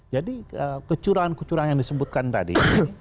jadi kecurangan kecurangan yang disebutkan tadi